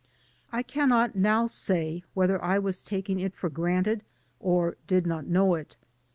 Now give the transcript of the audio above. I cannot now say whether I was taking it for granted or did not know it.